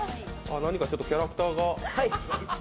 何かちょっとキャラクターが。